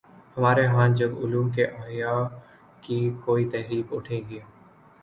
ہمارے ہاں جب علوم کے احیا کی کوئی تحریک اٹھے گی۔